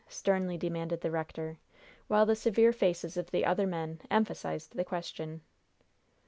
sternly demanded the rector, while the severe faces of the other men emphasized the question.